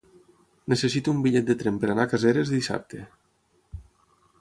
Necessito un bitllet de tren per anar a Caseres dissabte.